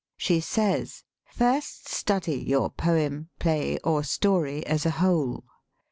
She says, " First study your poem, play, or story as a whole.